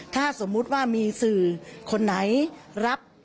ถ้าสมมุติว่ามีสื่อคนไหนรับ